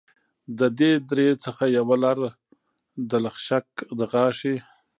د دې درې څخه یوه لاره دلخشک دغاښي